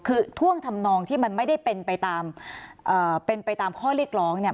คือท่วงทำนองที่มันไม่ได้เป็นไปตามเป็นไปตามข้อเรียกร้องเนี่ย